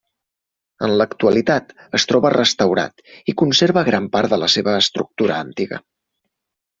En l'actualitat es troba restaurat, i conserva gran part de la seua estructura antiga.